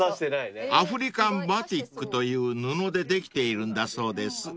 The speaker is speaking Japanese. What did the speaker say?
［アフリカンバティックという布でできているんだそうです］